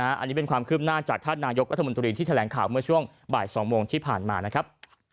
อันนี้เป็นความคืบหน้าจากท่านนายกรัฐมนตรีที่แถลงข่าวเมื่อช่วงบ่าย๒โมงที่ผ่านมานะครับ